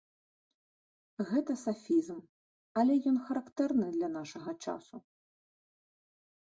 Гэта сафізм, але ён характэрны для нашага часу.